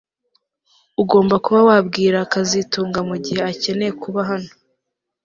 Ugomba kuba wabwira kazitunga mugihe akeneye kuba hano